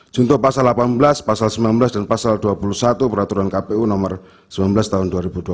junto pasal delapan belas pasal sembilan belas dan pasal dua puluh satu peraturan kpu nomor sembilan belas tahun dua ribu dua puluh